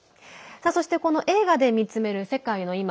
そして「映画で見つめる世界のいま」